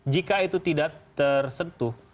jika itu tidak tersentuh